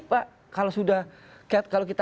pak kalau sudah kalau kita